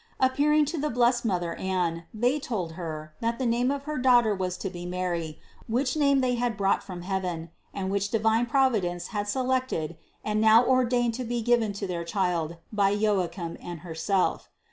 Appearing to the blessed mother Anne, they told her, that the name of her daughter was to be MARY, which name they had brought from heav en, and which divine Providence had selected and now ordained to be given to their child by Joachim and her self.